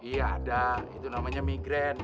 iya ada itu namanya migran